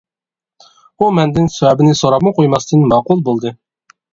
ئۇ مەندىن سەۋەبىنى سوراپمۇ قويماستىن ماقۇل بولدى.